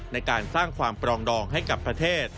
ในการสร้างความปรองดองให้กับประเทศ